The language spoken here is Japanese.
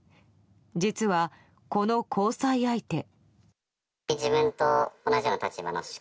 実は、この交際相手。